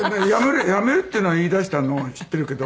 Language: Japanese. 辞めるっていうのは言い出したのは知ってるけど。